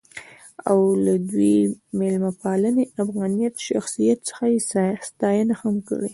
او د دوي له میلمه پالنې ،افغانيت ،شخصیت څخه يې ستاينه هم کړې.